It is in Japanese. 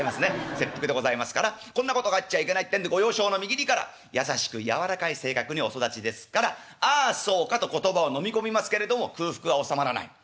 切腹でございますからこんなことがあっちゃいけないってんでご幼少のみぎりから優しく柔らかい性格にお育ちですから「ああそうか」と言葉をのみ込みますけれども空腹は収まらない。